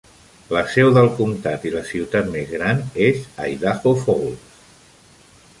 La seu del comtat i la ciutat més gran és Idaho Falls.